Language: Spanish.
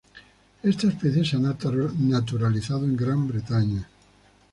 Esta especie se ha naturalizado en Gran Bretaña.